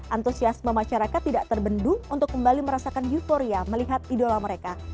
antusiasme masyarakat tidak terbendung untuk kembali merasakan euforia melihat idola mereka